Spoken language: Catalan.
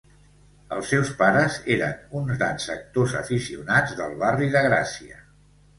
Els seus pares eren uns grans actors aficionats del barri de Gràcia.